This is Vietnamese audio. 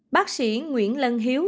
bác sĩ nguyễn lân hiếu